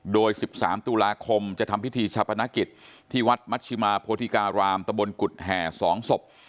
โดย๑๓ตุลาคมจะทำพิธีชาปนกิจที่วัดมัชชิมาโพธิการามตะบนกุฎแห่๒ศพ